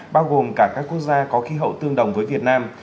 bao gồm cả các quốc gia có khí hậu tương đồng với việt nam